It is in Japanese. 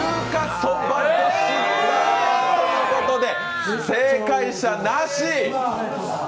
ということで正解者なし！